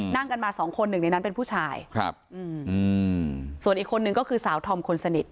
นั่งกันมาสองคนหนึ่งในนั้นเป็นผู้ชายครับอืมส่วนอีกคนนึงก็คือสาวธอมคนสนิท